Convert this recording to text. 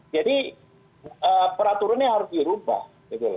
jadi peraturan ini harus dirubah gitu loh